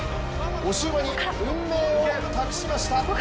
推し馬に運命を託しました！